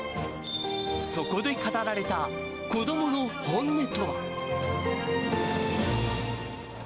そこで語られた子どもの本音とは。